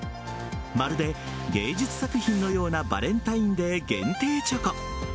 まるで芸術作品のようなバレンタインデー限定チョコ。